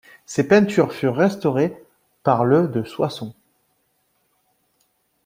Ces peintures furent restaurées par le de Soissons.